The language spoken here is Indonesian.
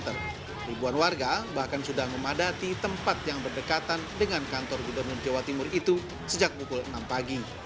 ribuan warga bahkan sudah memadati tempat yang berdekatan dengan kantor gubernur jawa timur itu sejak pukul enam pagi